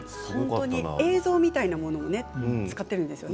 映像をみたいなものを使ってるんですね。